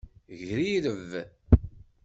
Grireb.